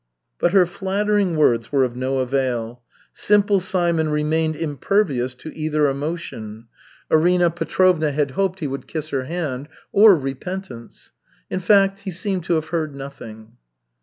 But her flattering words were of no avail. Simple Simon remained impervious to either emotion (Arina Petrovna had hoped he would kiss her hand) or repentance. In fact, he seemed to have heard nothing.